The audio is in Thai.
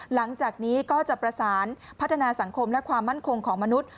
หลังจากนี้ก็จะประสานพัฒนาสังคมและความมั่นคงของมนุษย์